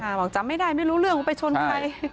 บอกจำไม่ได้ไม่รู้เรื่องว่าไปชนใคร